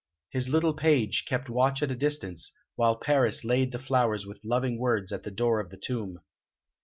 His little page kept watch at a distance, while Paris laid the flowers with loving words at the door of the tomb.